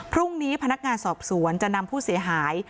พรุ่งนี้พนักงานสอบสวนจะนำผู้เสียหาย